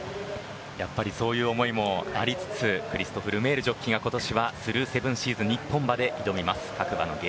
そういう思いもありつつクリストフ・ルメールジョッキーが今年はスルーセブンシーズ日本馬で挑みます。